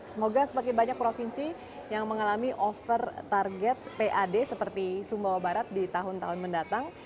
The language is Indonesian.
semoga semakin banyak provinsi yang mengalami over target pad seperti sumbawa barat di tahun tahun mendatang